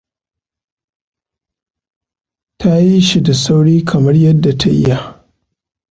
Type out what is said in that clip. Ta yi shi da sauri kamar yadda ta iya.